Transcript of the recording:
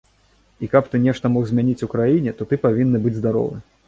І каб ты нешта мог змяніць у краіне, то ты павінны быць здаровы.